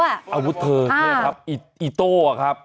อาวุธเธอเนี่ยครับอีโต้อะครับ